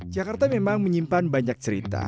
jakarta memang menyimpan banyak cerita